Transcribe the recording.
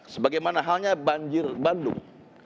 sebagaimana halnya banjir bandung